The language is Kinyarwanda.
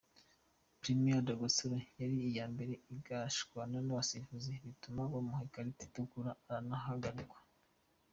Primeiro de Agosto yari iya mbere, agashwana n’abasifuzi bituma bamuha ikarita itukura aranahagarikwa.